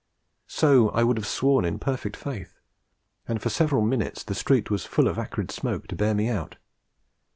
So I would have sworn in perfect faith; and for several minutes the street was full of acrid smoke, to bear me out.